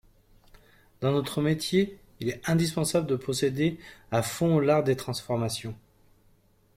Dans notre métier, il est indispensable de posséder à fond l'art des transformations.